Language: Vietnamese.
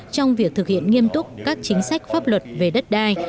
trong việc thực hiện nghiêm túc các chính sách pháp luật về đất đai